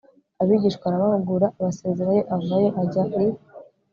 abigishwa arabahugura abasezeraho avayo ajya i